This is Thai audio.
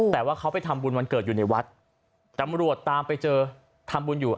แต่ว่าเขาไปทำบุญวันเกิดอยู่ในวัดตำรวจตามไปเจอทำบุญอยู่